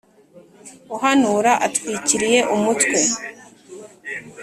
uhanura atwikiriye umutwe.